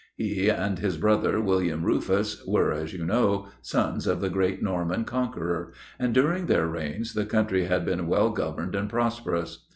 He and his brother, William Rufus, were, as you know, sons of the great Norman Conqueror, and during their reigns the country had been well governed and prosperous.